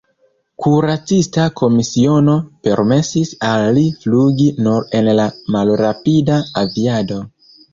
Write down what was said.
Kuracista komisiono permesis al li flugi nur en la malrapida aviado.